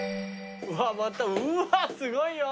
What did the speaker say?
うわまたうわすごいよ。